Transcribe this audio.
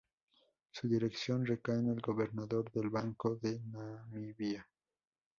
Su dirección recae en el gobernador del Banco de Namibia.